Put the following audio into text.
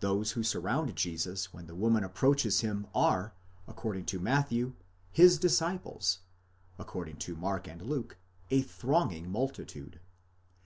Those who surround Jesus when the woman approaches him are, according to Matthew, his disciples, according to Mark and Luke, a thronging multitude.